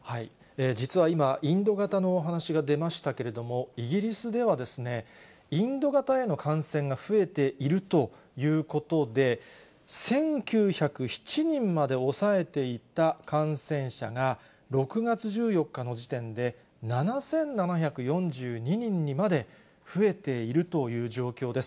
実は今、インド型のお話が出ましたけれども、イギリスでは、インド型への感染が増えているということで、１９０７人まで抑えていた感染者が、６月１４日の時点で７７４２人にまで増えているという状況です。